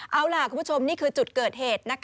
เอาล่ะคุณผู้ชมนี่คือจุดเกิดเหตุ